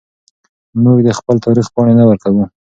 موږ د خپل تاریخ پاڼې نه ورکوو.